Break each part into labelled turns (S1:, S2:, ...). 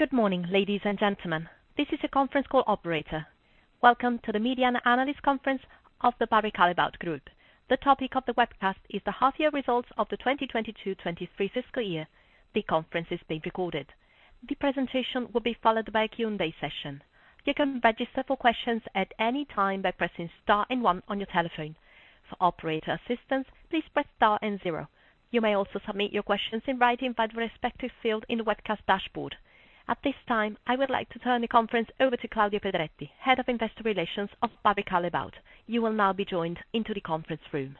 S1: Good morning, ladies and gentlemen. This is your conference call operator. Welcome to the Media and Analyst Conference of the Barry Callebaut Group. The topic of the webcast is the half year results of the 2022/2023 fiscal year. The conference is being recorded. The presentation will be followed by a Q&A session. You can register for questions at any time by pressing star and one on your telephone. For operator assistance, please press star and zero. You may also submit your questions in writing via the respective field in the webcast dashboard. At this time, I would like to turn the conference over to Claudia Pedretti-Lenz, Head of Investor Relations of Barry Callebaut. You will now be joined into the conference room.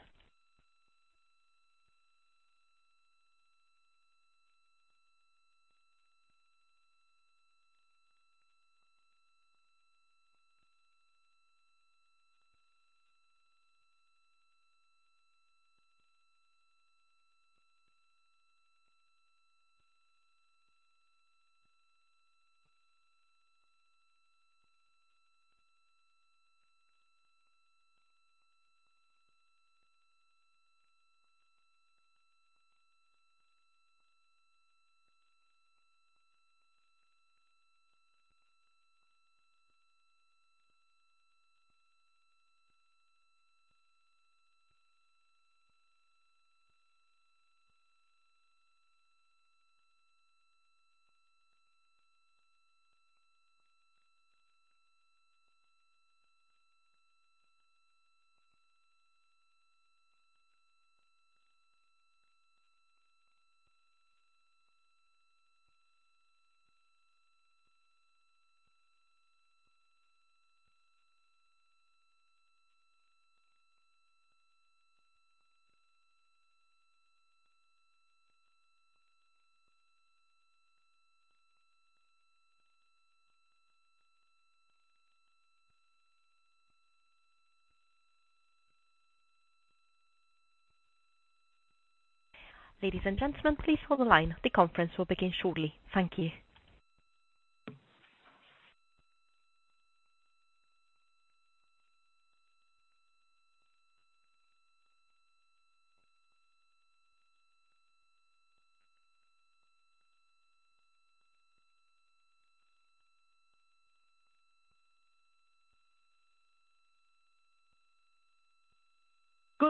S1: Ladies and gentlemen, please hold the line. The conference will begin shortly. Thank you.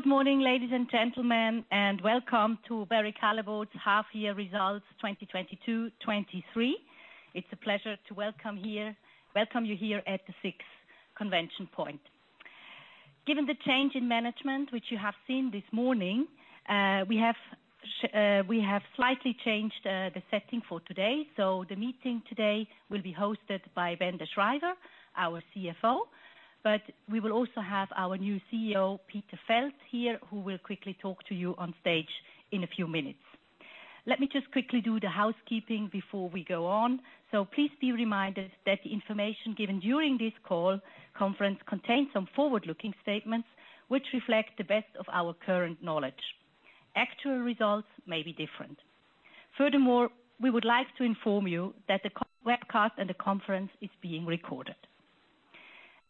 S2: Good morning, ladies and gentlemen, welcome to Barry Callebaut's half year results 2022/2023. It's a pleasure to welcome you here at the SIX ConventionPoint. Given the change in management which you have seen this morning, we have slightly changed the setting for today. The meeting today will be hosted by Ben De Schryver, our CFO. We will also have our new CEO, Peter Feld, here, who will quickly talk to you on stage in a few minutes. Let me just quickly do the housekeeping before we go on. Please be reminded that the information given during this call conference contains some forward-looking statements which reflect the best of our current knowledge. Actual results may be different. Furthermore, we would like to inform you that the webcast and the conference is being recorded.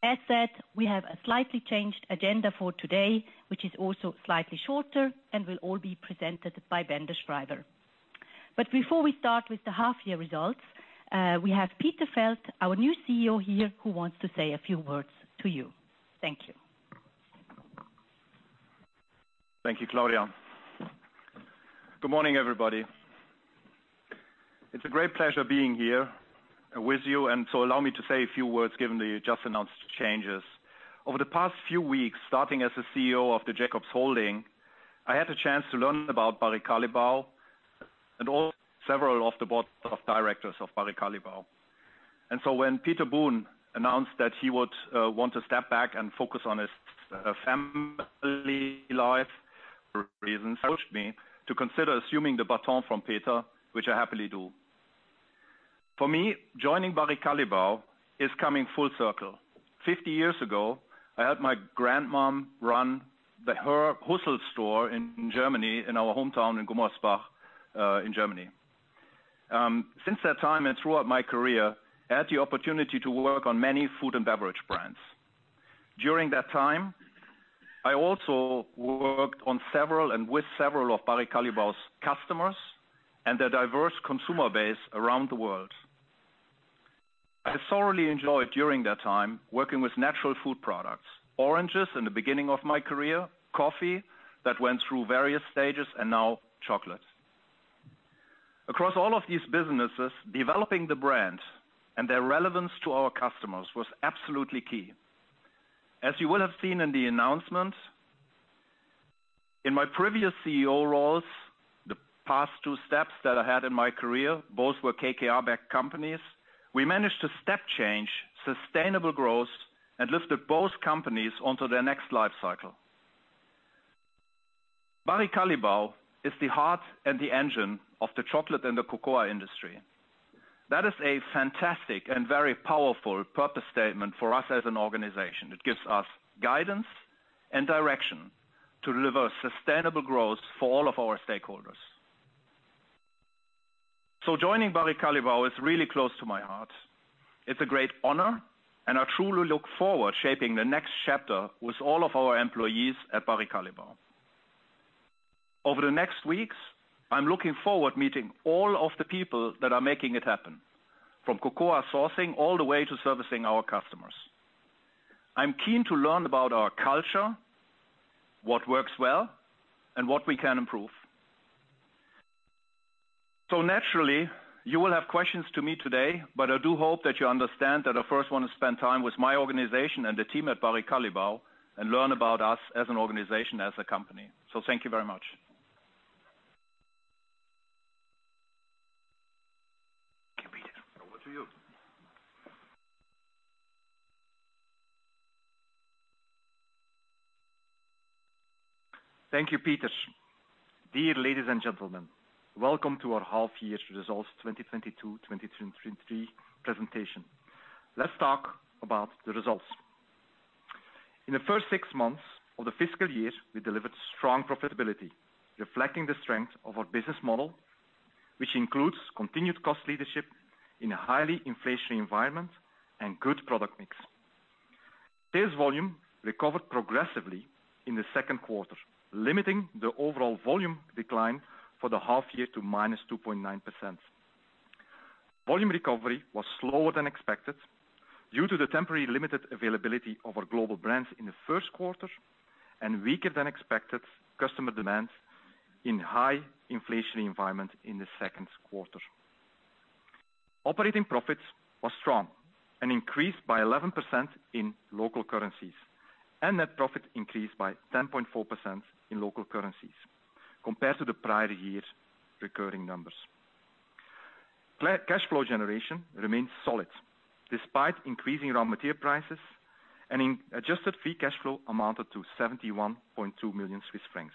S2: As said, we have a slightly changed agenda for today, which is also slightly shorter and will all be presented by Ben De Schryver. Before we start with the half year results, we have Peter Feld, our new CEO here, who wants to say a few words to you. Thank you.
S3: Thank you, Claudia. Good morning, everybody. It's a great pleasure being here with you, allow me to say a few words given the just announced changes. Over the past few weeks, starting as the CEO of the Jacobs Holding, I had a chance to learn about Barry Callebaut and all several of the board of directors of Barry Callebaut. When Peter Boone announced that he would want to step back and focus on his family life reasons, approached me to consider assuming the baton from Peter, which I happily do. For me, joining Barry Callebaut is coming full circle. 50 years ago, I had my grandmom run the her Hussel store in Germany, in our hometown in Gummersbach, in Germany. Since that time and throughout my career, I had the opportunity to work on many food and beverage brands. During that time, I also worked on several and with several of Barry Callebaut's customers and their diverse consumer base around the world. I thoroughly enjoyed during that time working with natural food products. Oranges in the beginning of my career, coffee that went through various stages and now chocolate. Across all of these businesses, developing the brand and their relevance to our customers was absolutely key. As you will have seen in the announcement, in my previous CEO roles, the past two steps that I had in my career, both were KKR-backed companies. We managed to step change sustainable growth and lifted both companies onto their next life cycle. Barry Callebaut is the heart and the engine of the chocolate and the cocoa industry. That is a fantastic and very powerful purpose statement for us as an organization. It gives us guidance and direction to deliver sustainable growth for all of our stakeholders. Joining Barry Callebaut is really close to my heart. It's a great honor. I truly look forward shaping the next chapter with all of our employees at Barry Callebaut. Over the next weeks, I'm looking forward to meeting all of the people that are making it happen, from cocoa sourcing all the way to servicing our customers. I'm keen to learn about our culture, what works well, and what we can improve. Naturally, you will have questions to me today, but I do hope that you understand that I first want to spend time with my organization and the team at Barry Callebaut and learn about us as an organization, as a company. Thank you very much.
S4: Thank you, Peter.
S3: Over to you.
S4: Thank you, Peter. Dear ladies and gentlemen, welcome to our half year results 2022/2023 presentation. Let's talk about the results. In the first six months of the fiscal year, we delivered strong profitability, reflecting the strength of our business model, which includes continued cost leadership in a highly inflationary environment and good product mix. Sales volume recovered progressively in the Q2, limiting the overall volume decline for the half year to -2.9%. Volume recovery was slower than expected due to the temporary limited availability of our global brands in the Q1 and weaker than expected customer demands in high inflationary environment in the Q2. Operating profits was strong and increased by 11% in local currencies, and net profit increased by 10.4% in local currencies compared to the prior year's recurring numbers. Cash flow generation remains solid despite increasing raw material prices and in adjusted free cash flow amounted to 71.2 million Swiss francs.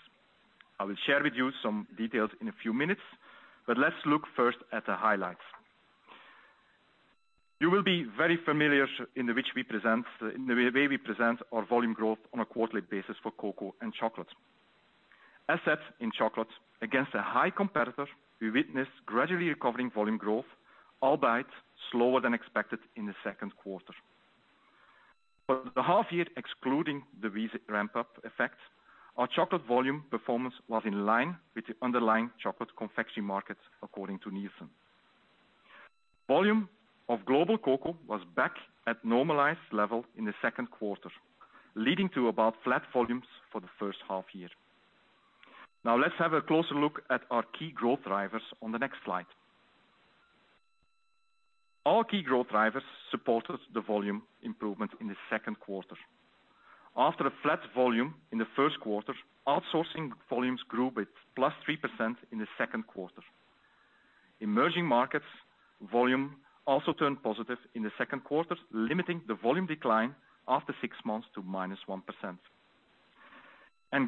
S4: I will share with you some details in a few minutes. Let's look first at the highlights. You will be very familiar in the way we present our volume growth on a quarterly basis for cocoa and chocolate. Assets in chocolate against a high competitor, we witnessed gradually recovering volume growth, albeit slower than expected in the Q2. For the half year, excluding the Wieze ramp-up effect, our chocolate volume performance was in line with the underlying chocolate confection market according to NielsenIQ. Volume of global cocoa was back at normalized level in the second quarter, leading to about flat volumes for the first half year. Let's have a closer look at our key growth drivers on the next slide. All key growth drivers supported the volume improvement in the Q2. After a flat volume in the Q1, outsourcing volumes grew with +3% in the Q2. Emerging markets volume also turned positive in the Q2, limiting the volume decline after 6 months to -1%.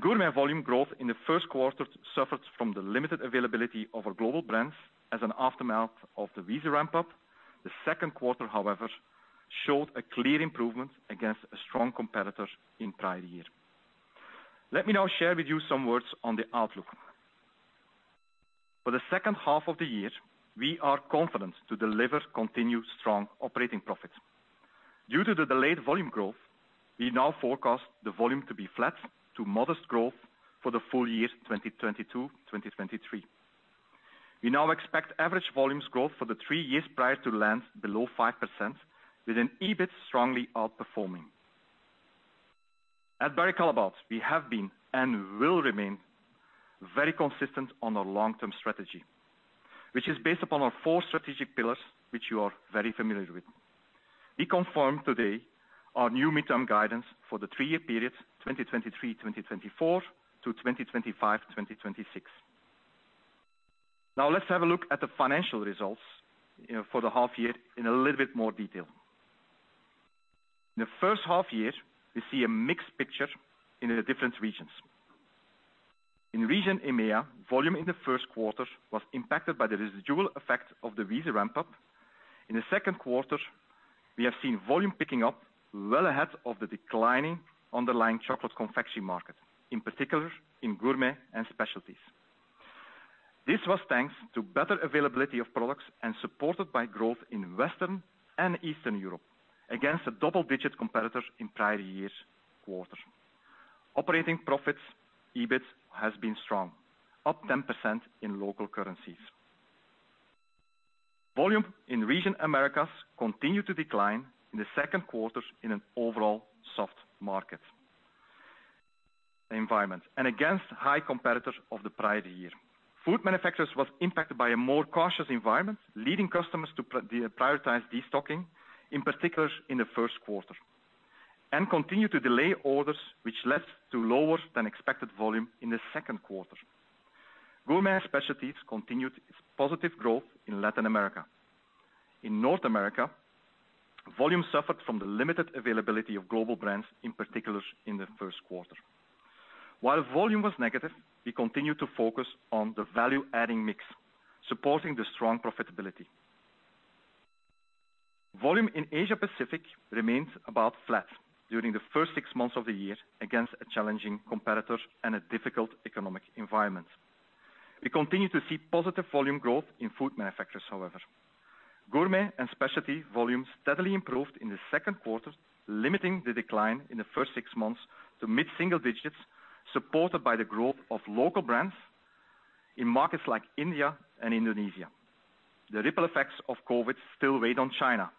S4: Gourmet volume growth in the Q1 suffered from the limited availability of our global brands as an aftermath of the Wieze ramp-up. The Q2, however, showed a clear improvement against a strong competitor in prior year. Let me now share with you some words on the outlook. For the second half of the year, we are confident to deliver continued strong operating profits. Due to the delayed volume growth, we now forecast the volume to be flat to modest growth for the full year 2022/2023. We now expect average volumes growth for the three years prior to land below 5% with an EBIT strongly outperforming. At Barry Callebaut, we have been and will remain very consistent on our long-term strategy, which is based upon our four strategic pillars, which you are very familiar with. We confirm today our new midterm guidance for the three-year period, 2023, 2024 to 2025, 2026. Let's have a look at the financial results, you know, for the half year in a little bit more detail. In the first half year, we see a mixed picture in the different regions. In region EMEA, volume in the first quarter was impacted by the residual effect of the Wieze ramp-up. In the Q2, we have seen volume picking up well ahead of the declining underlying chocolate confection market, in particular in gourmet and specialties. This was thanks to better availability of products and supported by growth in Western and Eastern Europe against a double-digit competitor in prior years' quarter. Operating profits, EBIT, has been strong, up 10% in local currencies. Volume in region Americas continued to decline in the second quarter in an overall soft market environment and against high competitors of the prior year. Food manufacturers was impacted by a more cautious environment, leading customers to prioritize destocking, in particular in the Q1, and continue to delay orders, which led to lower than expected volume in the Q2. Gourmet Specialties continued its positive growth in Latin America. In North America, volume suffered from the limited availability of global brands, in particular in the Q1. While volume was negative, we continued to focus on the value-adding mix, supporting the strong profitability. Volume in Asia Pacific remains about flat during the first six months of the year against a challenging competitor and a difficult economic environment. We continue to see positive volume growth in food manufacturers, however. Gourmet and specialty volumes steadily improved in the second quarter, limiting the decline in the first six months to mid-single digits, supported by the growth of local brands in markets like India and Indonesia. The ripple effects of COVID still weighed on China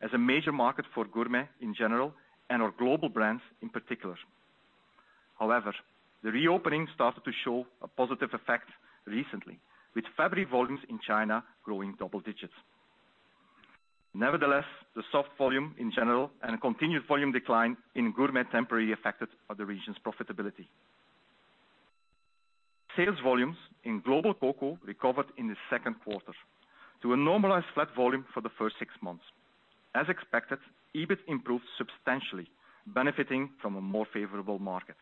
S4: as a major market for gourmet in general and our global brands in particular. However, the reopening started to show a positive effect recently, with February volumes in China growing double digits. Nevertheless, the soft volume in general and continued volume decline in gourmet temporarily affected other regions' profitability. Sales volumes in global cocoa recovered in the second quarter to a normalized flat volume for the first six months. As expected, EBIT improved substantially, benefiting from a more favorable market.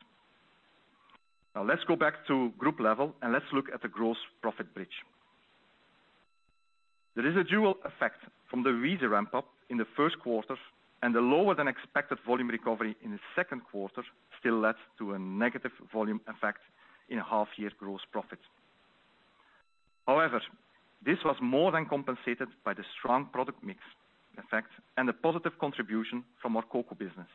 S4: Let's go back to group level and let's look at the gross profit bridge. There is a dual effect from the Wieze ramp up in the first quarter and the lower than expected volume recovery in the second quarter still led to a negative volume effect in half year gross profit. This was more than compensated by the strong product mix effect and a positive contribution from our cocoa business.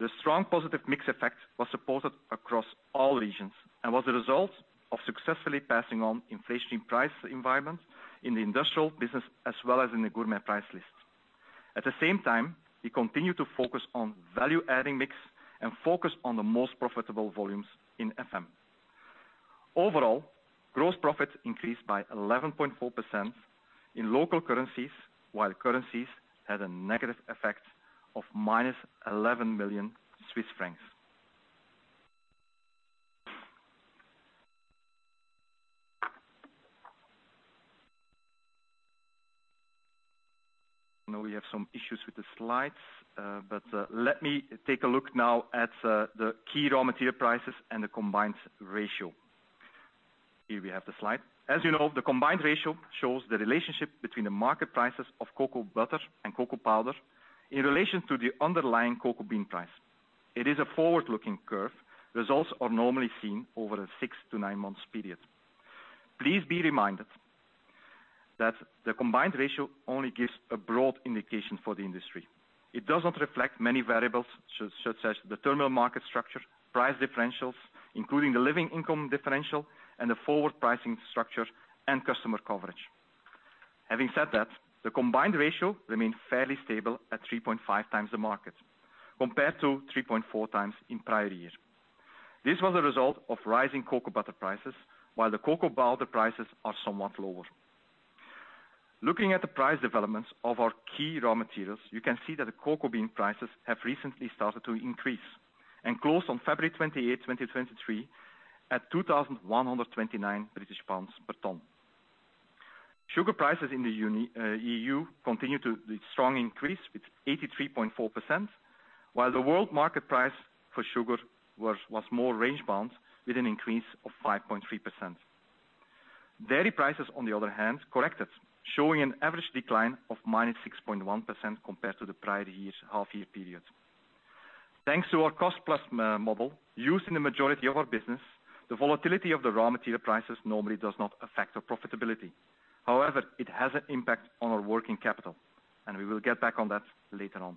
S4: The strong positive mix effect was supported across all regions and was a result of successfully passing on inflation price environment in the industrial business as well as in the gourmet price list. At the same time, we continue to focus on value-adding mix and focus on the most profitable volumes in FM. Overall, gross profit increased by 11.4% in local currencies, while currencies had a negative effect of minus 11 million Swiss francs. I know we have some issues with the slides, but let me take a look now at the key raw material prices and the combined ratio. Here we have the slide. As you know, the combined ratio shows the relationship between the market prices of cocoa butter and cocoa powder in relation to the underlying cocoa bean price. It is a forward-looking curve. Results are normally seen over a six to nine months period. Please be reminded that the combined ratio only gives a broad indication for the industry. It does not reflect many variables, such as the terminal market structure, price differentials, including the Living Income Differential and the forward pricing structure and customer coverage. Having said that, the combined ratio remains fairly stable at 3.5 times the market, compared to 3.4 times in prior years. This was a result of rising cocoa butter prices, while the cocoa powder prices are somewhat lower. Looking at the price developments of our key raw materials, you can see that the cocoa bean prices have recently started to increase and closed on February 28, 2023 at 2,129 British pounds per ton. Sugar prices in the EU continue to the strong increase with 83.4%, while the world market price for sugar was more range bound with an increase of 5.3%. Dairy prices, on the other hand, corrected, showing an average decline of -6.1% compared to the prior year's half year period. Thanks to our cost plus model used in the majority of our business, the volatility of the raw material prices normally does not affect our profitability. However, it has an impact on our working capital, and we will get back on that later on.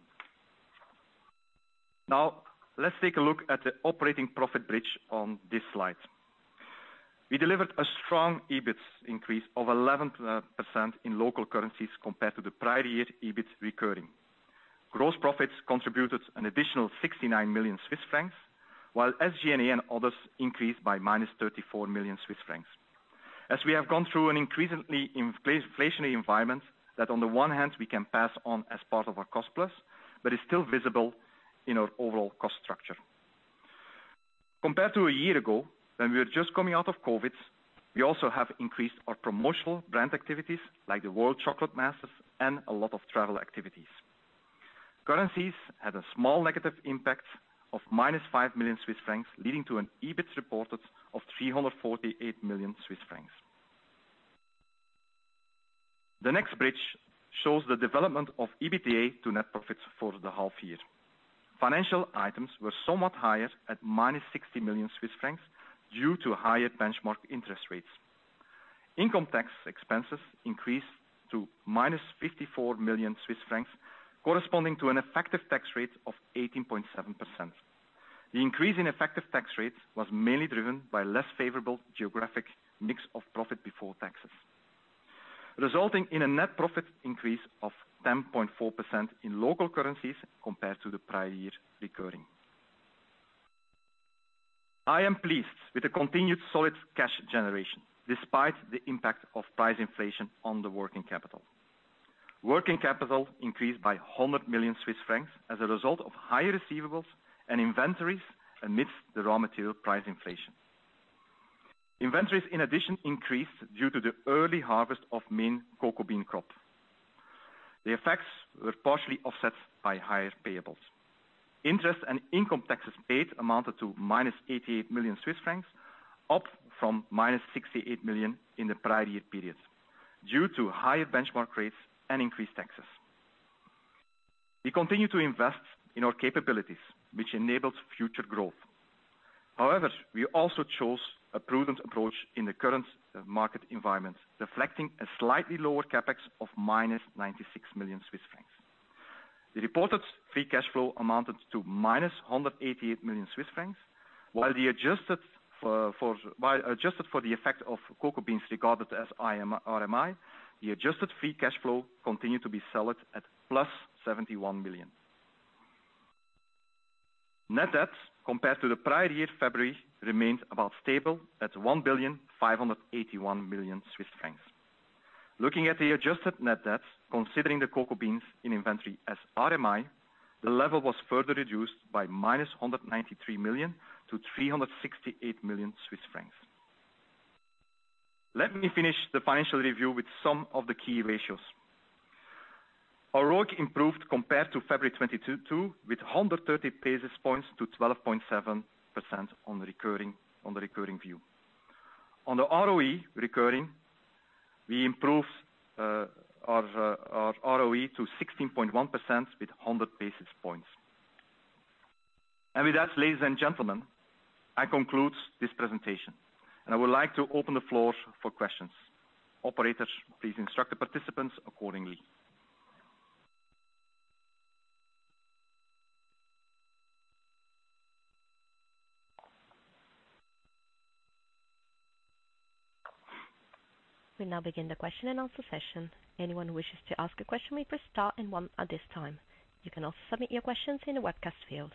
S4: Now, let's take a look at the operating profit bridge on this slide. We delivered a strong EBIT increase of 11% in local currencies compared to the prior year EBIT recurring. Gross profits contributed an additional 69 million Swiss francs, while SG&A and others increased by minus 34 million Swiss francs. We have gone through an increasingly inflationary environment, that on the one hand we can pass on as part of our cost plus, but is still visible in our overall cost structure. Compared to a year ago, when we were just coming out of COVID, we also have increased our promotional brand activities like the World Chocolate Masters and a lot of travel activities. Currencies had a small negative impact of minus 5 million Swiss francs, leading to an EBIT reported of 348 million Swiss francs. The next bridge shows the development of EBITDA to net profits for the half year. Financial items were somewhat higher at minus 60 million Swiss francs due to higher benchmark interest rates. Income tax expenses increased to -54 million Swiss francs, corresponding to an effective tax rate of 18.7%. The increase in effective tax rates was mainly driven by less favorable geographic mix of profit before taxes, resulting in a net profit increase of 10.4% in local currencies compared to the prior year recurring. I am pleased with the continued solid cash generation despite the impact of price inflation on the working capital. Working capital increased by 100 million Swiss francs as a result of higher receivables and inventories amidst the raw material price inflation. Inventories, in addition, increased due to the early harvest of main cocoa bean crop. The effects were partially offset by higher payables. Interest and income taxes paid amounted to -88 million Swiss francs, up from -68 million in the prior-year periods due to higher benchmark rates and increased taxes. We continue to invest in our capabilities, which enables future growth. We also chose a prudent approach in the current market environment, reflecting a slightly lower CapEx of -96 million Swiss francs. The reported free cash flow amounted to -188 million Swiss francs, while adjusted for the effect of cocoa beans regarded as RMI, the adjusted free cash flow continued to be solid at +71 million. Net debt compared to the prior-year February remained about stable at 1,581 million Swiss francs. Looking at the adjusted net debts considering the cocoa beans in inventory as RMI, the level was further reduced by -193 million to 368 million Swiss francs. Let me finish the financial review with some of the key ratios. Our ROIC improved compared to February 2022, with 130 basis points to 12.7% on the recurring view. On the ROE recurring, we improved our ROE to 16.1% with 100 basis points. With that, ladies and gentlemen, I conclude this presentation, and I would like to open the floor for questions. Operator, please instruct the participants accordingly.
S1: We now begin the question and answer session. Anyone who wishes to ask a question may press star and one at this time. You can also submit your questions in the webcast field.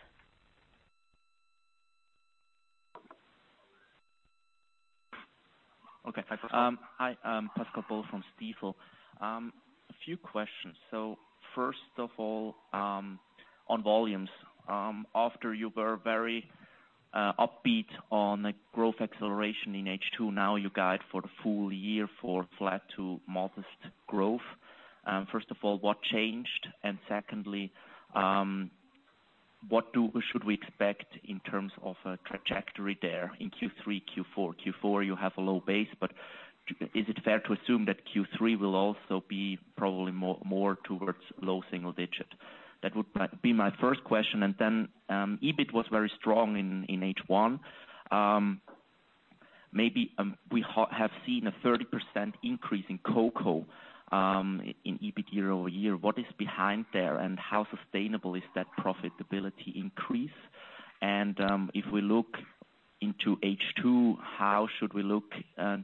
S5: Okay. Hi, Pascal Boll from Stifel. A few questions. First of all, on volumes, after you were very upbeat on the growth acceleration in H2, now you guide for the full year for flat to modest growth. First of all, what changed? Secondly, what should we expect in terms of a trajectory there in Q3, Q4? Q4 you have a low base, but is it fair to assume that Q3 will also be probably more towards low single digit? That would be my first question. Then, EBIT was very strong in H1. Maybe, we have seen a 30% increase in cocoa, in EBIT year-over-year. What is behind there, and how sustainable is that profitability increase? If we look into H2, how should we look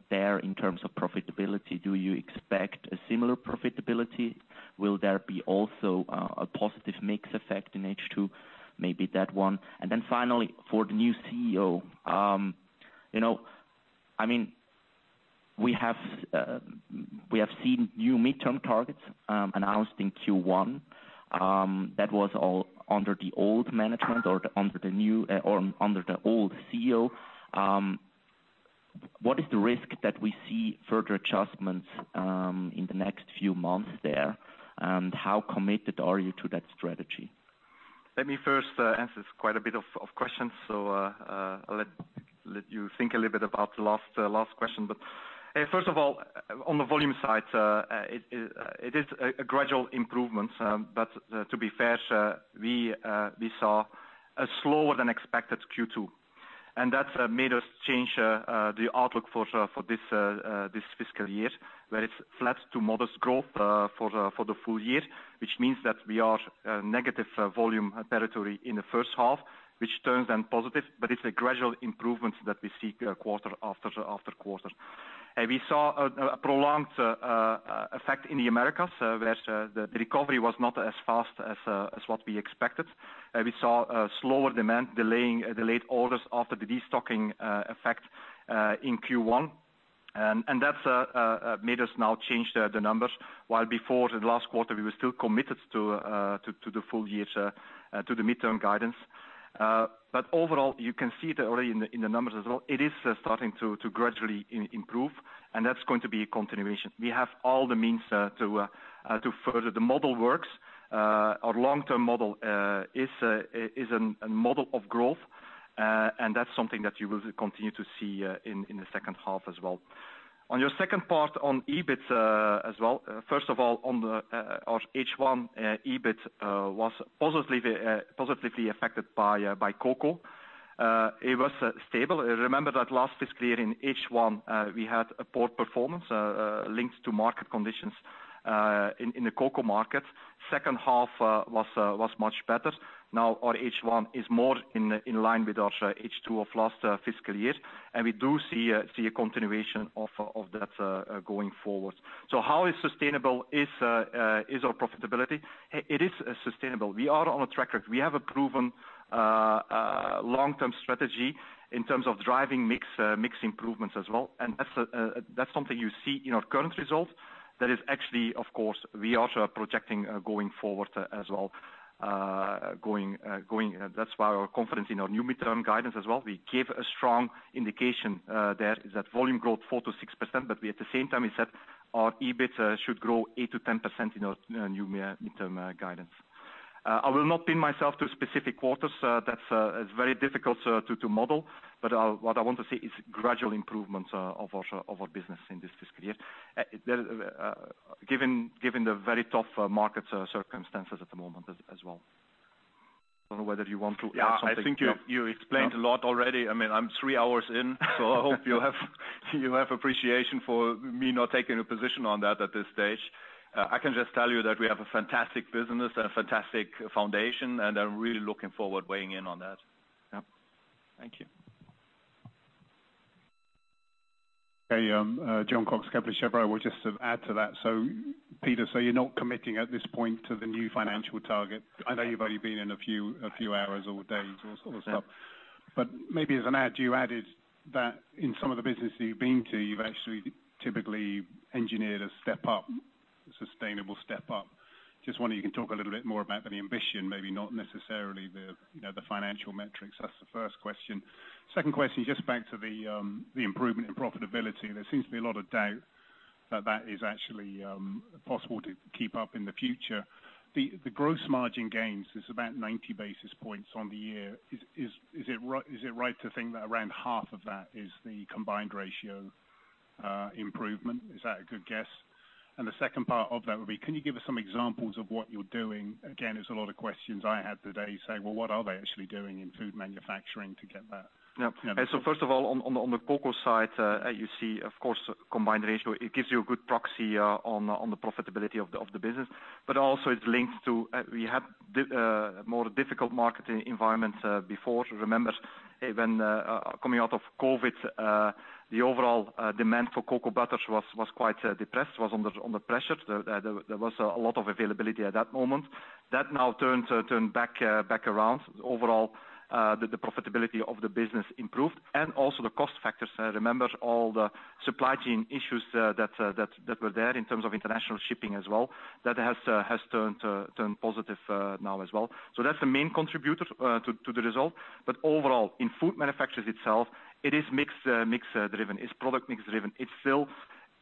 S5: there in terms of profitability? Do you expect a similar profitability? Will there be also a positive mix effect in H2? Maybe that one. Finally, for the new CEO, you know, I mean, we have we have seen new midterm targets announced in Q1 that was all under the old management or under the new or under the old CEO. What is the risk that we see further adjustments in the next few months there? How committed are you to that strategy?
S4: Let me first answer quite a bit of questions. I'll let you think a little bit about the last question. First of all, on the volume side, it is a gradual improvement, but to be fair, we saw a slower than expected Q2, and that's made us change the outlook for this fiscal year, where it's flat to modest growth for the full year, which means that we are negative volume territory in the first half, which turns then positive. It's a gradual improvement that we see quarter after quarter. We saw a prolonged effect in the Americas, where the recovery was not as fast as what we expected. We saw a slower demand delayed orders after the destocking effect in Q1. That's made us now change the numbers. While before the last quarter, we were still committed to the full year to the midterm guidance. Overall, you can see that already in the numbers as well, it is starting to gradually improve, and that's going to be a continuation. We have all the means to further the model works. Our long-term model is a model of growth, and that's something that you will continue to see in the second half as well. On your second part on EBIT as well. First of all, on the, our H1 EBIT was positively affected by by cocoa. It was stable. Remember that last fiscal year in H1, we had a poor performance linked to market conditions in the cocoa market. Second half was much better. Now our H1 is more in line with our H2 of last fiscal year, and we do see a continuation of that going forward. How sustainable is our profitability? It is sustainable. We are on a track record. We have a proven long-term strategy in terms of driving mix improvements as well. That's something you see in our current results. That is actually, of course, we also are projecting going forward as well. That's why our confidence in our new midterm guidance as well. We gave a strong indication, there is that volume growth 4% to 6%. We at the same time we said our EBIT should grow 8% to 10% in our new midterm guidance. I will not pin myself to specific quarters. That's very difficult to model. What I want to say is gradual improvement of our business in this fiscal year, given the very tough market circumstances at the moment as well. I don't know whether you want to add something.
S3: Yeah, I think you explained a lot already. I mean, I'm 3 hours in. I hope you have appreciation for me not taking a position on that at this stage. I can just tell you that we have a fantastic business and a fantastic foundation. I'm really looking forward weighing in on that.
S4: Yeah. Thank you.
S6: Hey, Jon Cox, Kepler Cheuvreux. I would just add to that. Peter, you're not committing at this point to the new financial target. I know you've only been in a few hours or days or so.
S3: Yeah.
S6: Maybe as an add, you added that in some of the businesses you've been to, you've actually typically engineered a step up, sustainable step up. Just wondering if you can talk a little bit more about the ambition, maybe not necessarily the, you know, the financial metrics. That's the first question. Second question, just back to the improvement in profitability. There seems to be a lot of doubt that that is actually possible to keep up in the future. The gross margin gains is about 90 basis points on the year. Is it right to think that around half of that is the combined ratio improvement? Is that a good guess? The second part of that would be, can you give us some examples of what you're doing? Again, it's a lot of questions I had today saying, "Well, what are they actually doing in food manufacturing to get that?
S4: First of all, on the cocoa side, you see of course, combined ratio, it gives you a good proxy, on the profitability of the business. Also it's linked to, we had more difficult market environments, before. Remember when, coming out of COVID, the overall demand for cocoa butters was quite depressed, under pressure. There was a lot of availability at that moment. That now turned back around. Overall, the profitability of the business improved and also the cost factors. Remember all the supply chain issues, that were there in terms of international shipping as well. That has turned positive, now as well. That's the main contributor to the result. Overall, in food manufacturers itself, it is mixed mix driven. It's product mix driven. It's still,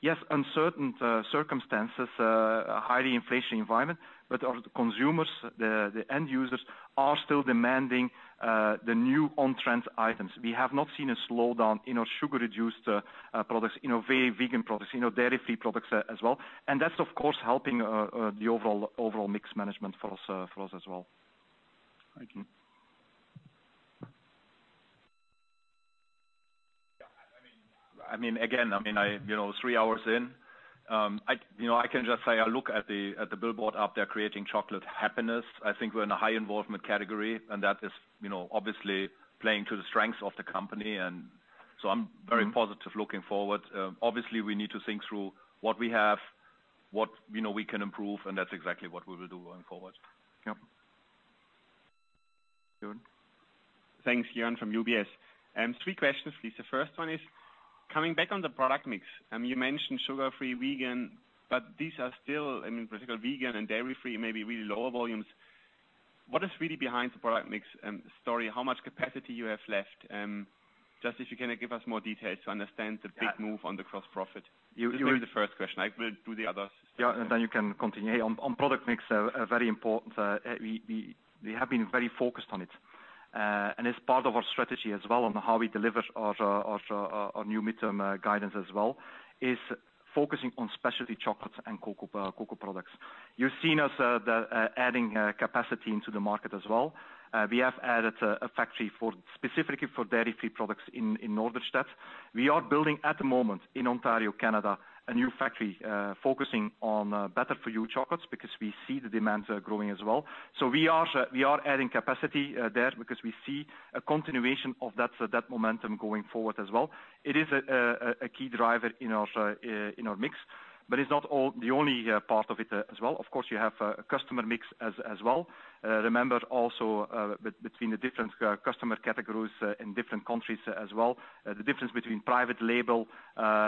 S4: yes, uncertain circumstances, a highly inflation environment, but our consumers, the end users are still demanding the new on-trend items. We have not seen a slowdown in our sugar-reduced products, in our vegan products, in our dairy-free products as well. That's of course helping the overall mix management for us as well.
S6: Thank you.
S3: Yeah. I mean, again, I mean, I, you know, three hours in, I, you know, I can just say I look at the billboard up there creating chocolate happiness. I think we're in a high involvement category, and that is, you know, obviously playing to the strengths of the company. I'm very positive looking forward. Obviously we need to think through what we have, what we know we can improve, and that's exactly what we will do going forward.
S4: Yep.
S6: John.
S7: Thanks, Jörn from UBS. Three questions, please. The first one is, coming back on the product mix, you mentioned sugar-free, vegan, but these are still, I mean, particular vegan and dairy-free, may be really lower volumes. What is really behind the product mix story? How much capacity you have left? just if you can give us more details to understand the big move on the cross profit. This is maybe the first question. I will do the others.
S4: Yeah. You can continue. On product mix, a very important, we have been very focused on it, and it's part of our strategy as well on how we deliver our new midterm guidance as well, is focusing on specialty chocolates and cocoa products. You've seen us adding capacity into the market as well. We have added a factory specifically for dairy-free products in Norderstedt. We are building at the moment in Ontario, Canada, a new factory focusing on better for you chocolates because we see the demand growing as well. We are adding capacity there because we see a continuation of that momentum going forward as well. It is a key driver in our mix, but it's not the only part of it as well. Of course, you have a customer mix as well. Remember also, between the different customer categories in different countries as well, the difference between private label,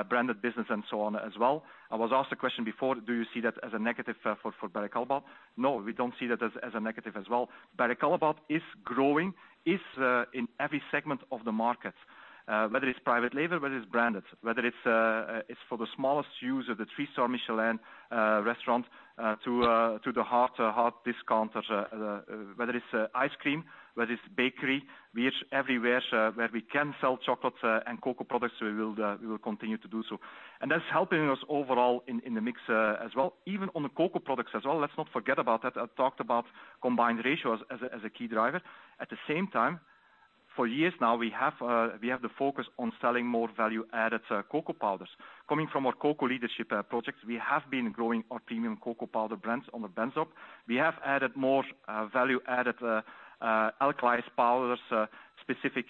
S4: branded business and so on as well. I was asked a question before, do you see that as a negative for Barry Callebaut? No, we don't see that as a negative as well. Barry Callebaut is growing in every segment of the market, whether it's private label, whether it's branded, whether it's for the smallest user, the three-star Michelin restaurant, to the hard discounters, whether it's ice cream, whether it's bakery. We are everywhere where we can sell chocolate and cocoa products, we will continue to do so. That's helping us overall in the mix as well. Even on the cocoa products as well, let's not forget about that. I talked about combined ratios as a key driver. At the same time, for years now, we have the focus on selling more value-added cocoa powders. Coming from our cocoa leadership projects, we have been growing our premium cocoa powder brands on the Bensdorp. We have added more value-added alkalized powders, specific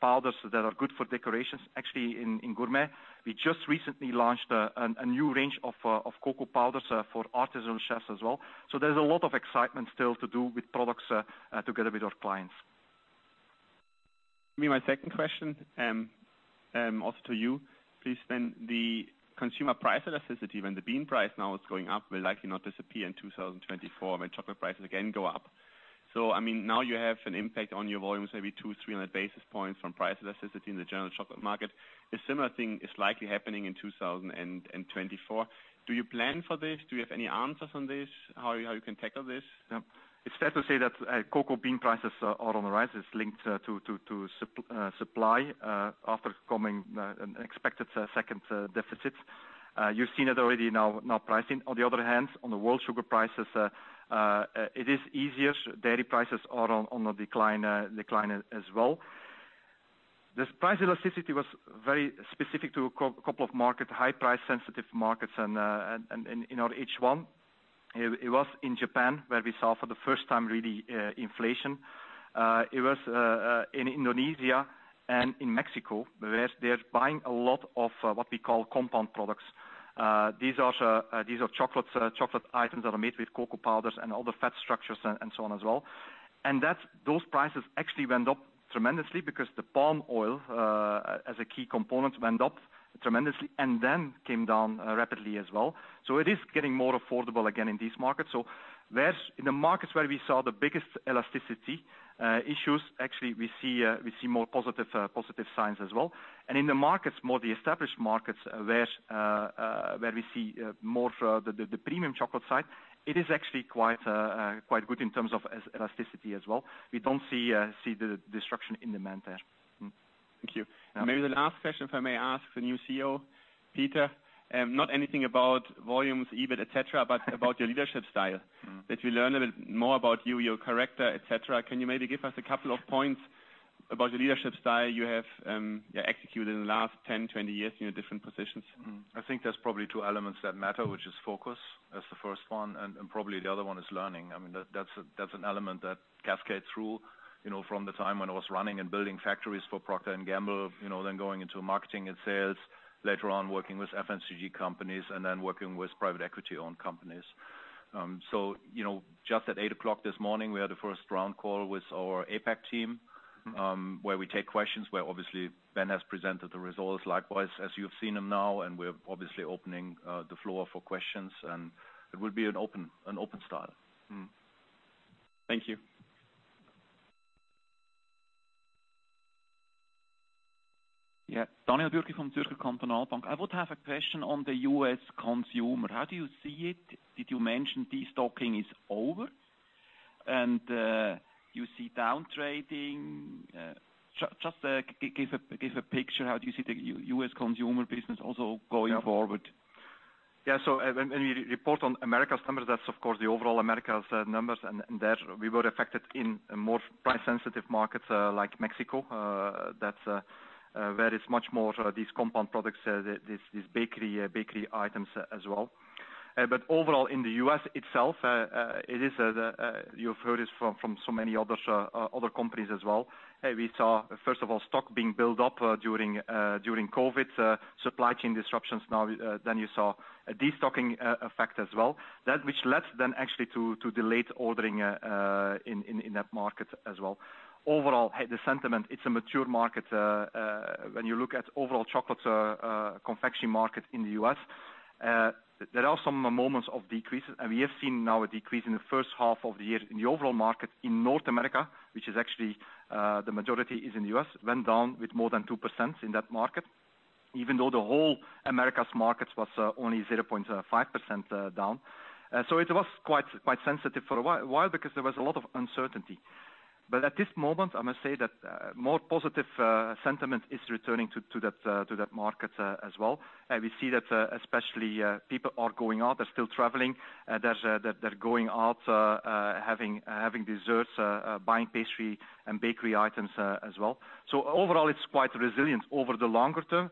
S4: powders that are good for decorations, actually in gourmet. We just recently launched a new range of cocoa powders for artisan chefs as well. So there's a lot of excitement still to do with products, together with our clients.
S7: Me, my second question, also to you, please, then the consumer price elasticity when the bean price now is going up will likely not disappear in 2024 when chocolate prices again go up. I mean, now you have an impact on your volumes, maybe 200 to 300 basis points from price elasticity in the general chocolate market. A similar thing is likely happening in 2024. Do you plan for this? Do you have any answers on this? How you can tackle this?
S4: It's fair to say that cocoa bean prices are on the rise. It's linked to supply after coming an expected second deficit. You've seen it already now pricing. On the other hand, on the world sugar prices, it is easier. Dairy prices are on a decline as well. This price elasticity was very specific to a couple of market, high price sensitive markets and in our H1, it was in Japan where we saw for the first time really inflation. It was in Indonesia and in Mexico, where they're buying a lot of what we call compound products. These are chocolate items that are made with cocoa powders and all the fat structures and so on as well. That's. Those prices actually went up tremendously because the palm oil as a key component went up tremendously and then came down rapidly as well. It is getting more affordable again in these markets. In the markets where we saw the biggest elasticity issues, actually we see more positive signs as well. In the markets, more the established markets where we see more the premium chocolate side, it is actually quite good in terms of elasticity as well. We don't see the destruction in demand there.
S7: Thank you.
S4: Yeah.
S7: Maybe the last question, if I may ask the new CEO, Peter, not anything about volumes, EBIT, et cetera, but about your leadership style.
S3: Mm-hmm.
S7: We learn a bit more about you, your character, et cetera. Can you maybe give us a couple of points about the leadership style you have, executed in the last 10, 20 years in your different positions?
S3: Mm-hmm. I think there's probably two elements that matter, which is focus as the first one, and probably the other one is learning. I mean, that's, that's an element that cascades through, you know, from the time when I was running and building factories for Procter & Gamble, you know, then going into marketing and sales, later on working with FMCG companies and then working with private equity-owned companies. you know, just at 8:00 A.M. this morning, we had the first round call with our APAC team.
S7: Mm-hmm.
S3: Where we take questions, where obviously Ben has presented the results, likewise, as you have seen them now, and we're obviously opening the floor for questions, and it will be an open style.
S7: Mm-hmm. Thank you.
S8: Yeah. Daniel Bürki from Zürcher Kantonalbank. I would have a question on the U.S. consumer. How do you see it? Did you mention destocking is over and you see down trading? Just give a picture, how do you see the U.S. consumer business also going forward?
S4: Yeah. When we report on America's numbers, that's of course the overall America's numbers, and there we were affected in a more price sensitive markets, like Mexico, that, where it's much more these compound products, these bakery items as well. Overall in the U.S. itself, it is the, you've heard this from so many others, other companies as well. We saw, first of all, stock being built up during COVID, supply chain disruptions now, then you saw a destocking effect as well, that which led then actually to delayed ordering in that market as well. Overall, the sentiment, it's a mature market, when you look at overall chocolate, confection market in the US, there are some moments of decreases. We have seen now a decrease in the first half of the year in the overall market in North America, which is actually, the majority is in the US, went down with more than 2% in that market, even though the whole America's markets was only 0.5% down. It was quite sensitive for a while. Why? Because there was a lot of uncertainty. At this moment, I must say that more positive sentiment is returning to that market, as well. We see that, especially, people are going out, they're still traveling, they're going out, having desserts, buying pastry and bakery items, as well. Overall, it's quite resilient over the longer term.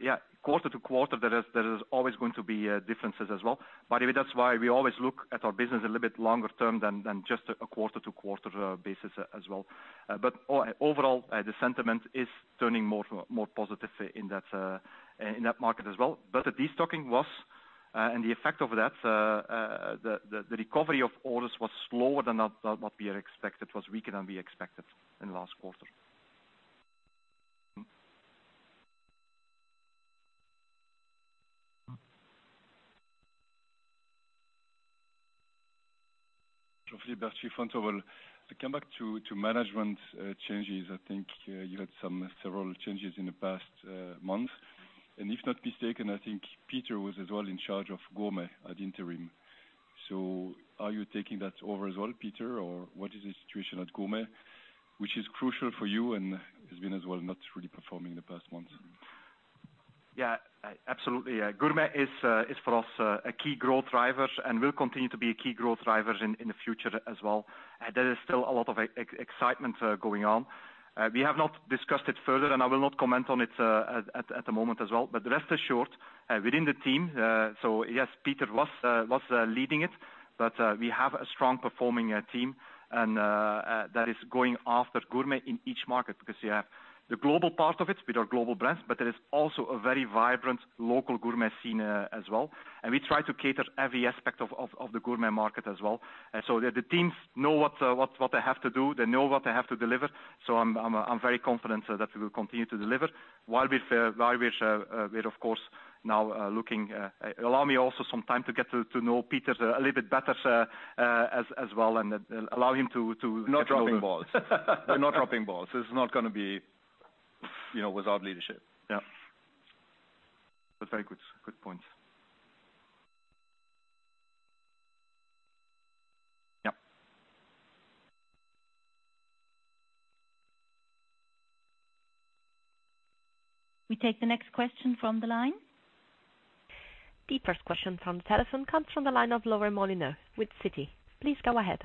S4: Yeah, quarter to quarter, there is always going to be differences as well. That's why we always look at our business a little bit longer term than just a quarter to quarter basis as well. Overall, the sentiment is turning more positive in that market as well. The destocking was, and the effect of that, the recovery of orders was slower than what we had expected, was weaker than we expected in the last quarter.
S7: Mm-hmm.
S8: To come back to management changes, I think, you had some several changes in the past month. If not mistaken, I think Peter was as well in charge of gourmet at interim. Are you taking that over as well, Peter, or what is the situation at gourmet, which is crucial for you and has been as well not really performing in the past months?
S4: Yeah, absolutely. Yeah. Gourmet is for us a key growth driver and will continue to be a key growth driver in the future as well. There is still a lot of excitement going on. We have not discussed it further, and I will not comment on it at the moment as well. Rest assured, within the team, so yes, Peter was leading it, but we have a strong performing team and that is going after gourmet in each market because you have the global part of it with our global brands, but there is also a very vibrant local gourmet scene as well, and we try to cater every aspect of the gourmet market as well. The teams know what they have to do, they know what they have to deliver. I'm very confident that we will continue to deliver. While we're of course now looking, allow me also some time to get to know Peter a little bit better as well, and allow him. Not dropping balls. We're not dropping balls. It's not gonna be, you know, without leadership.
S7: Yeah. That's very good points.
S2: We take the next question from the line.
S1: The first question from the telephone comes from the line of Lauren Molyneux with Citi. Please go ahead.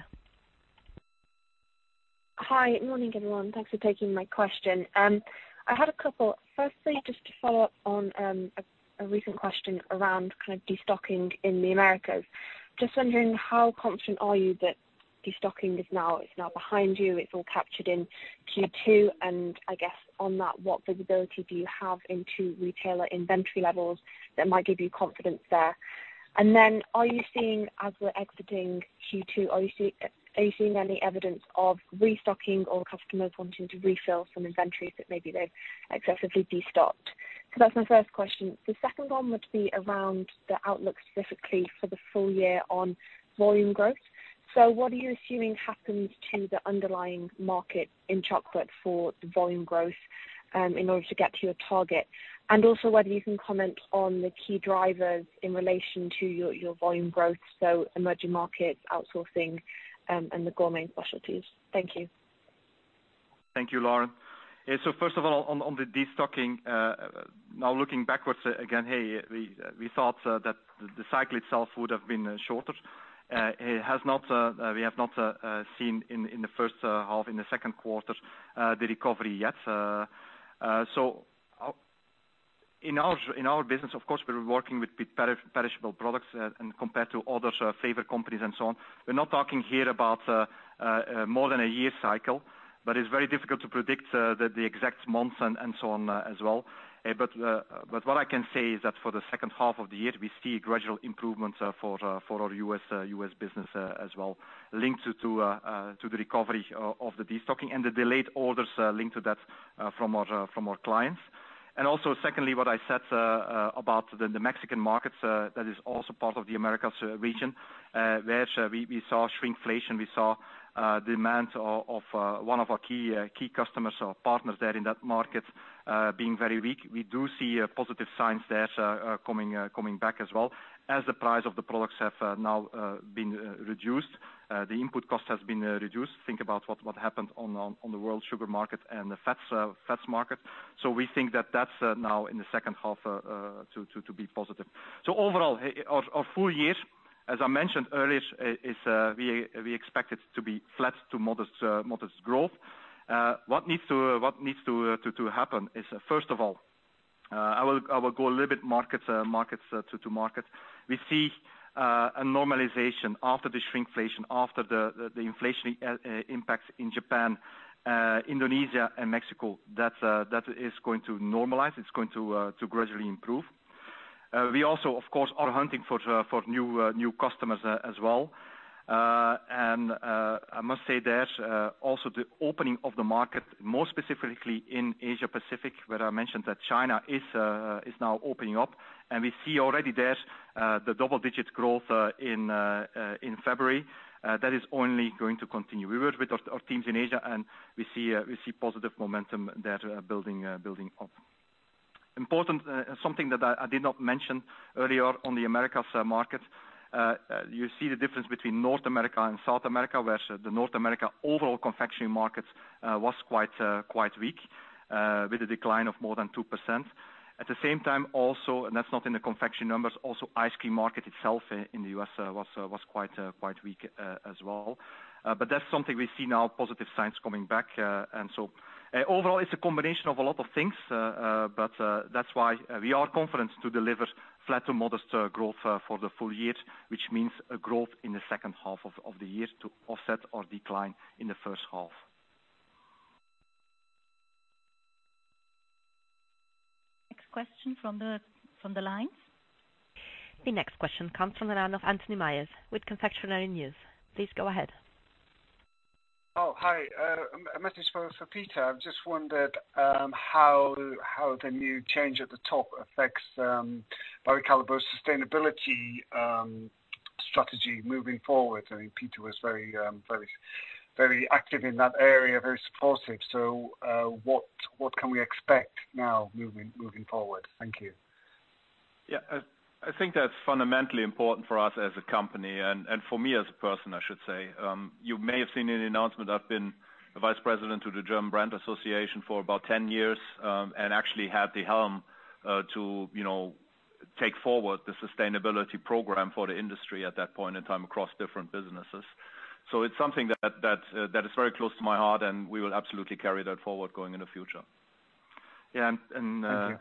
S9: Hi, good morning, everyone. Thanks for taking my question. I had a couple. Firstly, just to follow up on a recent question around kind of destocking in the Americas. Just wondering how confident are you that destocking is now behind you, it's all captured in Q2, I guess on that, what visibility do you have into retailer inventory levels that might give you confidence there? Are you seeing as we're exiting Q2, are you seeing any evidence of restocking or customers wanting to refill some inventories that maybe they've excessively destocked? That's my first question. The second one would be around the outlook specifically for the full year on volume growth. What are you assuming happens to the underlying market in chocolate for the volume growth in order to get to your target? Also whether you can comment on the key drivers in relation to your volume growth, so emerging markets, outsourcing, and the gourmet specialties. Thank you.
S4: Thank you, Lauren. First of all on the destocking, now looking backwards again, we thought that the cycle itself would have been shorter. It has not, we have not seen in the first half, in the second quarter, the recovery yet. In our business of course we're working with perishable products and compared to other FMCG companies and so on. We're not talking here about more than a year cycle, but it's very difficult to predict the exact months and so on as well. What I can say is that for the second half of the year, we see gradual improvements for our U.S. business as well, linked to the recovery of the destocking and the delayed orders linked to that from our clients. Secondly, what I said about the Mexican markets, that is also part of the Americas region, where we saw shrinkflation. We saw demands of one of our key customers or partners there in that market being very weak. We do see positive signs there coming back as well as the price of the products have now been reduced. The input cost has been reduced. Think about what happened on the world sugar market and the fats market. We think that that's now in the second half to be positive. Overall, our full year, as I mentioned earlier, is we expect it to be flat to modest growth. What needs to happen is first of all, I will go a little bit markets to market. We see a normalization after the shrinkflation, after the inflation impacts in Japan, Indonesia and Mexico that is going to normalize. It's going to gradually improve. We also of course, are hunting for new customers as well. I must say there's also the opening of the market, more specifically in Asia Pacific, where I mentioned that China is now opening up and we see already there the double-digit growth in February. That is only going to continue. We work with our teams in Asia, and we see positive momentum there building up. Important, something that I did not mention earlier on the Americas market. You see the difference between North America and South America, where the North America overall confectionery markets was quite weak with a decline of more than 2%. At the same time also, that's not in the confection numbers, also ice cream market itself in the US was quite weak as well. That's something we see now, positive signs coming back. Overall it's a combination of a lot of things, but that's why we are confident to deliver flat to modest growth for the full year, which means a growth in the second half of the year to offset our decline in the first half.
S2: Next question from the line.
S1: The next question comes from the line of Anthony Myers with Confectionery News. Please go ahead.
S10: Hi. A message for Peter. I've just wondered how the new change at the top affects Barry Callebaut's sustainability strategy moving forward. I mean, Peter was very active in that area, very supportive. What can we expect now moving forward? Thank you.
S3: Yeah. I think that's fundamentally important for us as a company and for me as a person, I should say. You may have seen an announcement. I've been the vice president to the German Brands Association for about 10 years, and actually had the helm to, you know, take forward the sustainability program for the industry at that point in time across different businesses. It's something that is very close to my heart, and we will absolutely carry that forward going in the future.
S10: Thank you.
S3: Yeah.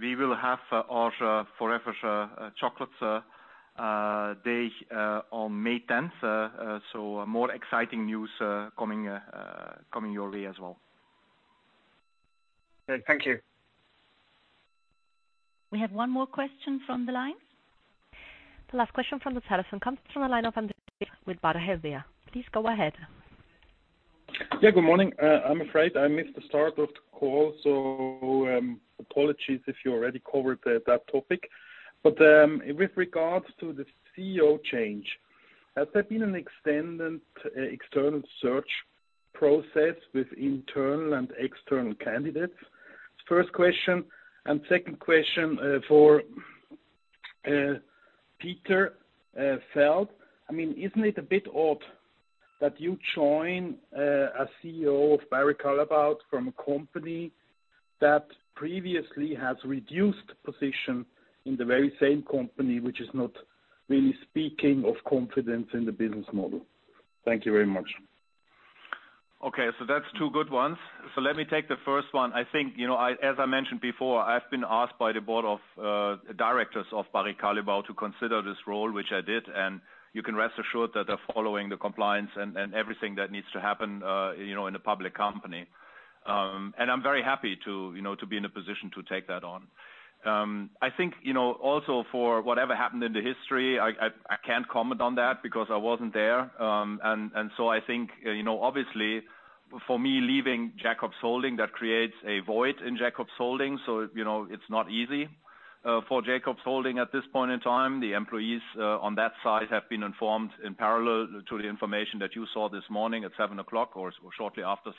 S3: We will have our Forever Chocolate Day on May 10th. More exciting news coming your way as well.
S10: Great. Thank you.
S2: We have one more question from the line.
S1: The last question from the telephone comes from the line of Andre with Baader-Helvea. Please go ahead.
S11: Yeah, good morning. I'm afraid I missed the start of the call, so, apologies if you already covered that topic. With regards to the CEO change, has there been an extended, external search process with internal and external candidates? First question, and second question. Peter Feld. I mean, isn't it a bit odd that you join a CEO of Barry Callebaut from a company that previously has reduced position in the very same company, which is not really speaking of confidence in the business model? Thank you very much.
S4: Okay, that's two good ones. Let me take the first one. I think, you know, as I mentioned before, I've been asked by the board of directors of Barry Callebaut to consider this role, which I did, and you can rest assured that they're following the compliance and everything that needs to happen, you know, in a public company. I'm very happy to, you know, to be in a position to take that on. I think, you know, also for whatever happened in the history, I can't comment on that because I wasn't there. I think, you know, obviously for me, leaving Jacobs Holding, that creates a void in Jacobs Holding, so you know, it's not easy for Jacobs Holding at this point in time. The employees on that side have been informed in parallel to the information that you saw this morning at 7 o'clock or shortly after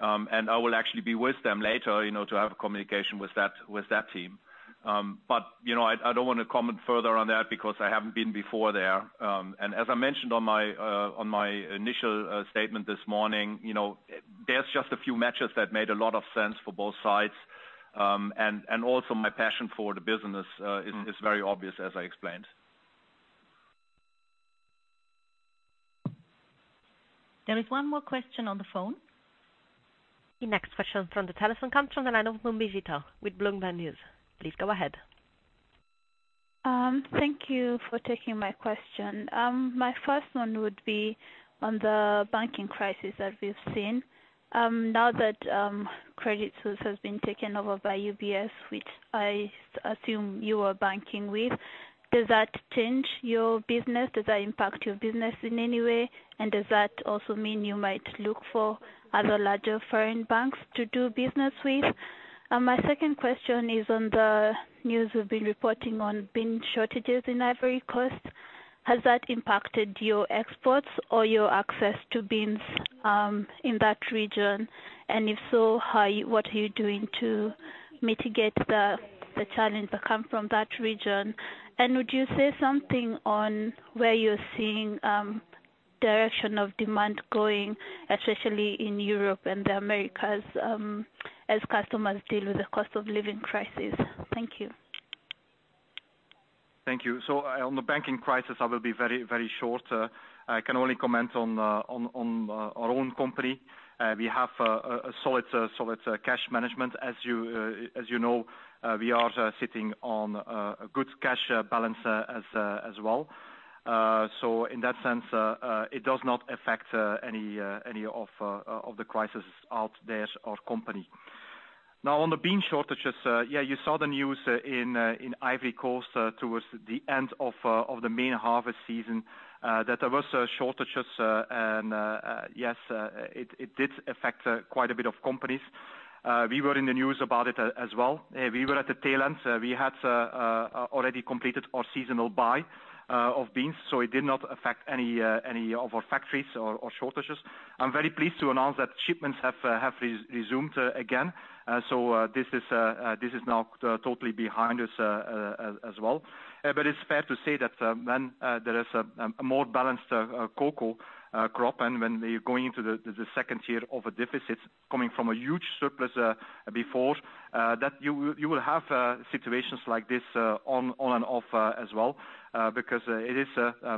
S4: seven. I will actually be with them later, you know, to have communication with that team. You know, I don't wanna comment further on that because I haven't been before there, and as I mentioned on my initial statement this morning, you know, there's just a few matches that made a lot of sense for both sides, and also my passion for the business.
S11: Mm.
S4: It is very obvious, as I explained.
S2: There is one more question on the phone.
S1: The next question from the telephone comes from the line of Mumbi Gitau with Bloomberg News. Please go ahead.
S12: Thank you for taking my question. My first one would be on the banking crisis that we've seen. Now that Credit Suisse has been taken over by UBS, which I assume you are banking with, does that change your business? Does that impact your business in any way? Does that also mean you might look for other larger foreign banks to do business with? My second question is on the news we've been reporting on bean shortages in Ivory Coast. Has that impacted your exports or your access to beans in that region? If so, what are you doing to mitigate the challenge that come from that region? Would you say something on where you're seeing direction of demand going, especially in Europe and the Americas, as customers deal with the cost of living crisis? Thank you.
S4: Thank you. On the banking crisis, I will be very short. I can only comment on our own company. We have a solid solid cash management. As you know, we are sitting on a good cash balance as well. In that sense, it does not affect any of the crisis out there or company. On the bean shortages, yeah, you saw the news in Ivory Coast towards the end of the main harvest season that there was shortages, and yes, it did affect quite a bit of companies. We were in the news about it as well. We were at the tail end. We had already completed our seasonal buy of beans, so it did not affect any of our factories or shortages. I'm very pleased to announce that shipments have resumed again. This is now totally behind us as well. It's fair to say that when there is a more balanced cocoa crop and when they're going into the second tier of a deficit coming from a huge surplus before that you will have situations like this on and off as well because it is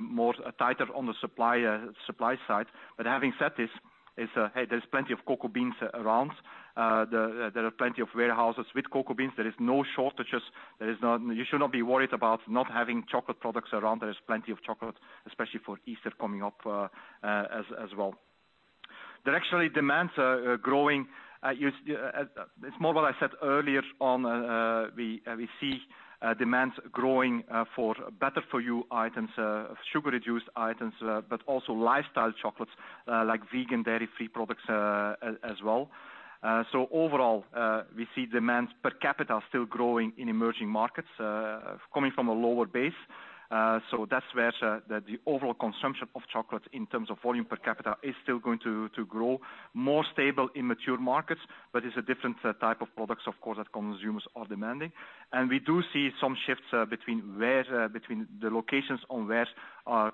S4: more tighter on the supply side. Having said this, it's hey, there's plenty of cocoa beans around. There are plenty of warehouses with cocoa beans. There is no shortages. There is not. You should not be worried about not having chocolate products around. There is plenty of chocolate, especially for Easter coming up, as well. There are actually demands growing. It's more what I said earlier on, we see demands growing for better for you items, sugar reduced items, but also lifestyle chocolates, like vegan dairy-free products, as well. Overall, we see demands per capita still growing in emerging markets, coming from a lower base. That's where the overall consumption of chocolate in terms of volume per capita is still going to grow more stable in mature markets, but it's a different type of products, of course, that consumers are demanding. We do see some shifts between where, between the locations on where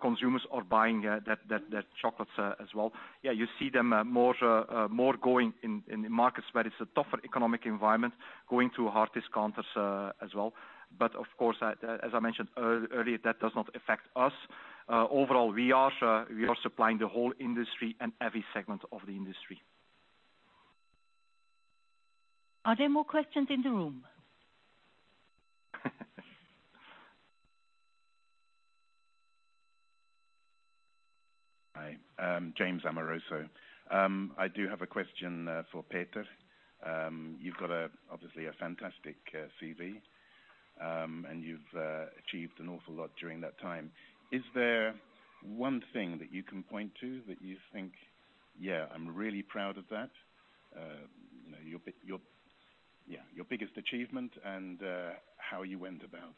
S4: consumers are buying that chocolates as well. You see them more going in the markets where it's a tougher economic environment, going through hard discounters as well. Of course, as I mentioned earlier, that does not affect us. Overall, we are supplying the whole industry and every segment of the industry.
S2: Are there more questions in the room?
S13: Hi. James Amoroso. I do have a question for Peter. You've got obviously a fantastic CV, and you've achieved an awful lot during that time. Is there one thing that you can point to that you think, "Yeah, I'm really proud of that." you know, your biggest achievement and how you went about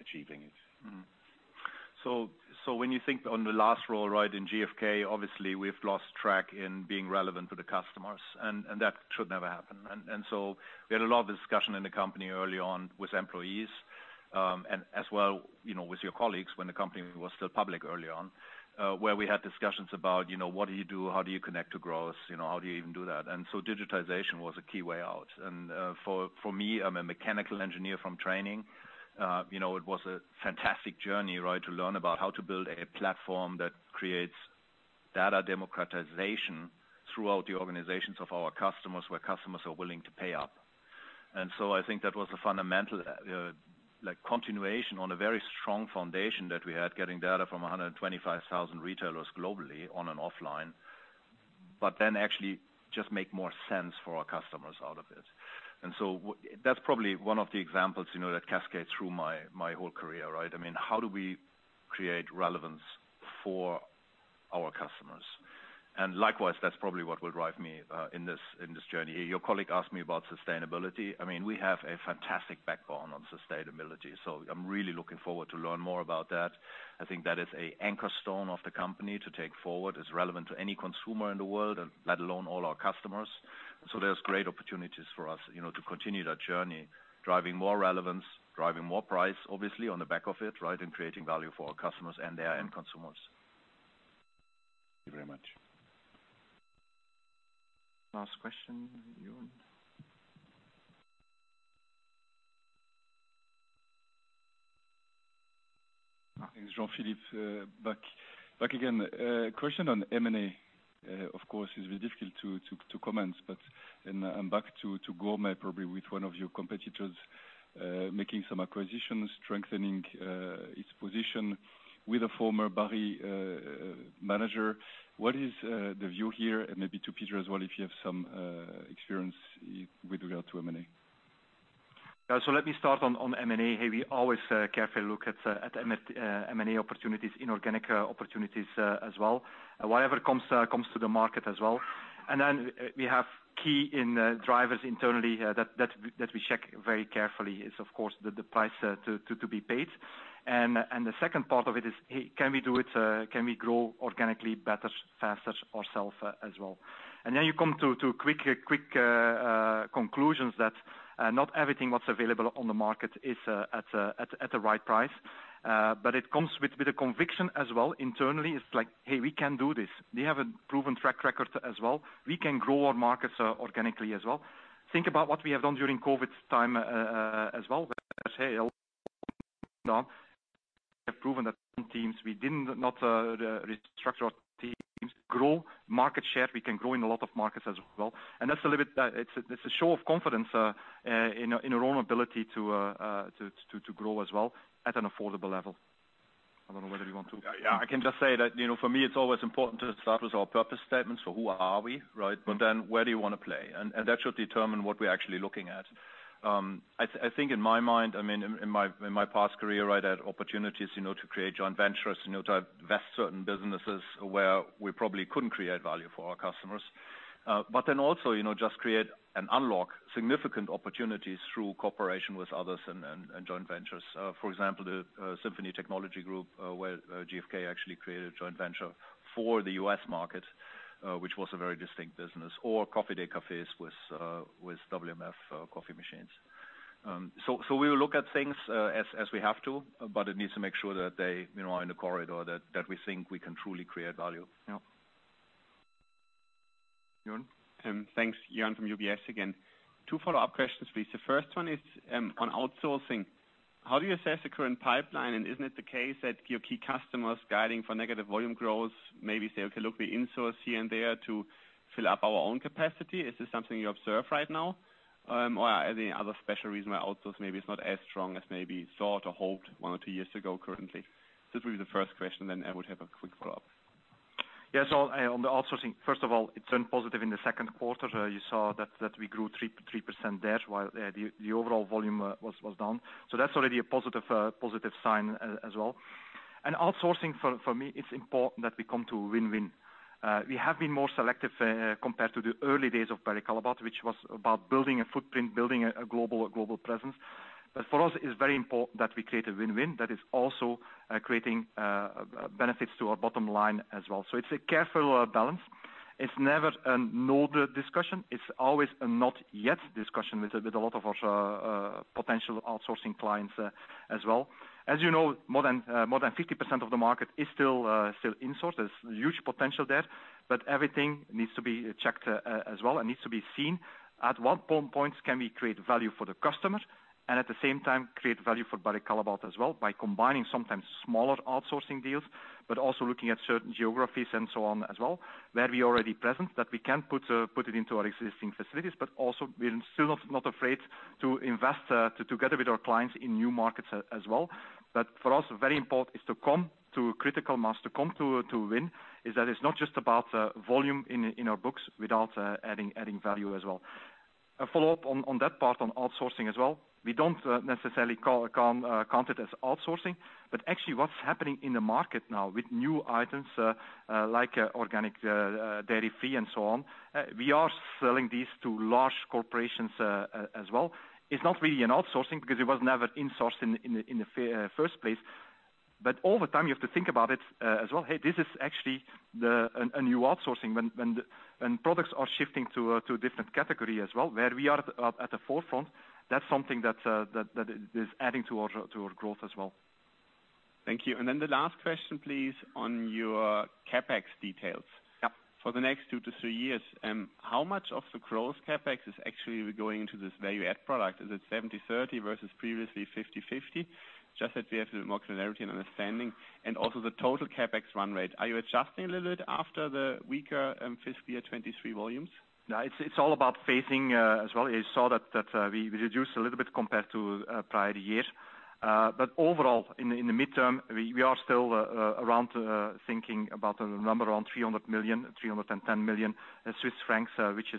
S13: achieving it?
S3: When you think on the last role, right, in GfK, obviously, we've lost track in being relevant to the customers and that should never happen. We had a lot of discussion in the company early on with employees, and as well, you know, with your colleagues when the company was still public early on, where we had discussions about, you know, what do you do? How do you connect to growth? You know, how do you even do that? Digitization was a key way out. For me, I'm a mechanical engineer from training. You know, it was a fantastic journey, right, to learn about how to build a platform that creates data democratization throughout the organizations of our customers, where customers are willing to pay up. I think that was a fundamental, like, continuation on a very strong foundation that we had getting data from 125,000 retailers globally on an offline, but then actually just make more sense for our customers out of it. That's probably one of the examples, you know, that cascades through my whole career, right? I mean, how do we create relevance for our customers? Likewise, that's probably what will drive me in this, in this journey. Your colleague asked me about sustainability. I mean, we have a fantastic backbone on sustainability, so I'm really looking forward to learn more about that. I think that is a anchor stone of the company to take forward. It's relevant to any consumer in the world, let alone all our customers. There's great opportunities for us, you know, to continue that journey, driving more relevance, driving more price, obviously, on the back of it, right? Creating value for our customers and their end consumers.
S13: Thank you very much.
S7: Last question, Jeroen. It's Jean-Philippe back again. Question on M&A. Of course, it's very difficult to comment, but I'm back to Gourmet probably with one of your competitors making some acquisitions, strengthening its position with a former Barry manager. What is the view here? Maybe to Peter as well, if you have some experience with regard to M&A.
S4: Let me start on M&A. We always carefully look at M&A opportunities, inorganic opportunities as well. Whatever comes to the market as well. We have key drivers internally that we check very carefully is of course the price to be paid. The second part of it is, hey, can we do it? Can we grow organically better, faster ourself as well? You come to quick conclusions that not everything what's available on the market is at the right price. It comes with a conviction as well internally. It's like, "Hey, we can do this." We have a proven track record as well. We can grow our markets, organically as well. Think about what we have done during COVID time as well, where sales have proven that some teams we didn't not restructure our teams, grow market share. We can grow in a lot of markets as well. That's a little bit. It's a show of confidence in our own ability to grow as well at an affordable level. I don't know whether you want to-
S3: Yeah. I can just say that, you know, for me, it's always important to start with our purpose statement. Who are we, right? Where do you wanna play? And that should determine what we're actually looking at. I think in my mind, I mean, in my past career, right, I had opportunities, you know, to create joint ventures, you know, to divest certain businesses where we probably couldn't create value for our customers. Also, you know, just create and unlock significant opportunities through cooperation with others and joint ventures. For example, the Symphony Technology Group, where GfK actually created a joint venture for the U.S. market, which was a very distinct business or Coffee Day cafes with WMF coffee machines. We will look at things, as we have to, but it needs to make sure that they, you know, are in the corridor that we think we can truly create value.
S4: Yeah.
S7: Jeroen? Thanks. Jeroen from UBS again. Two follow-up questions, please. The first one is on outsourcing. How do you assess the current pipeline? Isn't it the case that your key customers guiding for negative volume growth, maybe say, "Okay, look, we insource here and there to fill up our own capacity"? Is this something you observe right now? Are there any other special reason why outsource maybe is not as strong as maybe thought or hoped one or two years ago currently? This will be the first question, then I would have a quick follow-up.
S4: Yeah. On the outsourcing, first of all, it turned positive in the second quarter. You saw that we grew 3% there, while the overall volume was down. That's already a positive positive sign as well. Outsourcing for me, it's important that we come to a win-win. We have been more selective compared to the early days of Barry Callebaut, which was about building a footprint, building a global presence. For us, it's very important that we create a win-win that is also creating benefits to our bottom line as well. It's a careful balance. It's never a no discussion. It's always a not yet discussion with a lot of our potential outsourcing clients as well. As you know, more than 50% of the market is still insourced. There's huge potential there. Everything needs to be checked as well and needs to be seen. At what points can we create value for the customer and at the same time create value for Barry Callebaut as well by combining sometimes smaller outsourcing deals, but also looking at certain geographies and so on as well, where we are already present, that we can put it into our existing facilities. Also we're still not afraid to invest together with our clients in new markets as well. For us, very important is to come to a critical mass, to win, is that it's not just about volume in our books without adding value as well. A follow-up on that part on outsourcing as well. We don't necessarily count it as outsourcing, but actually what's happening in the market now with new items, like organic, dairy free and so on, we are selling these to large corporations as well. It's not really an outsourcing because it was never insourced in the first place. Over time, you have to think about it as well. Hey, this is actually a new outsourcing when products are shifting to a different category as well, where we are at the forefront. That's something that is adding to our growth as well.
S7: Thank you. The last question please, on your CapEx details.
S4: Yeah.
S7: For the next two to three years, how much of the growth CapEx is actually going into this value add product? Is it 70/30 versus previously 50/50? Just that we have more clarity and understanding. Also the total CapEx run rate. Are you adjusting a little bit after the weaker, fiscal year 2023 volumes?
S4: No, it's all about phasing as well. You saw that we reduced a little bit compared to prior years. Overall in the midterm, we are still around thinking about a number around 300 million, 310 million Swiss francs, which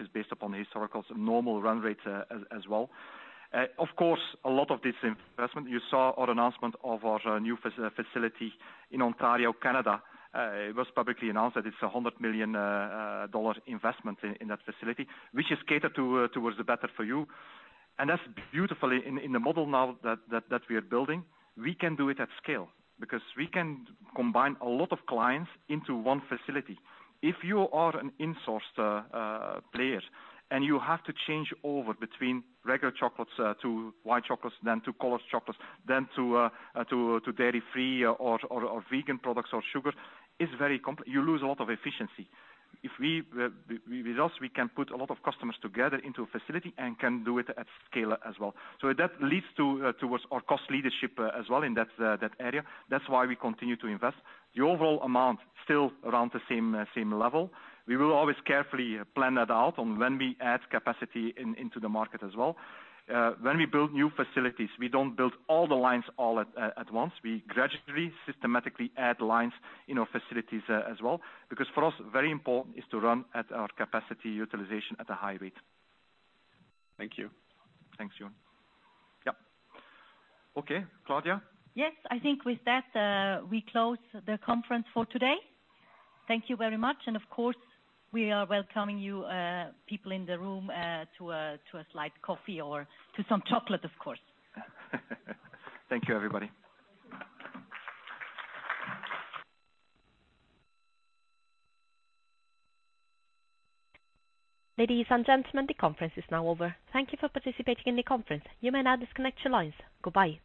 S4: is based upon historical normal run rate as well. Of course, a lot of this investment, you saw our announcement of our new facility in Ontario, Canada. It was publicly announced that it's a $100 million investment in that facility, which is catered to towards the better for you. Beautifully in the model now that we are building, we can do it at scale because we can combine a lot of clients into one facility. If you are an insourced player and you have to change over between regular chocolates to white chocolates, then to colored chocolates, then to dairy-free or vegan products or sugar, it's very, you lose a lot of efficiency. If with us, we can put a lot of customers together into a facility and can do it at scale as well. That leads towards our cost leadership as well in that area. That's why we continue to invest. The overall amount still around the same level. We will always carefully plan that out on when we add capacity into the market as well. When we build new facilities, we don't build all the lines at once. We gradually, systematically add lines in our facilities as well, because for us, very important is to run at our capacity utilization at a high rate.
S7: Thank you.
S4: Thanks, Jeroen. Yep. Okay, Claudia?
S2: Yes. I think with that, we close the conference for today. Thank you very much. Of course, we are welcoming you, people in the room, to a slight coffee or to some chocolate, of course.
S4: Thank you, everybody.
S1: Ladies and gentlemen, the conference is now over. Thank you for participating in the conference. You may now disconnect your lines. Goodbye.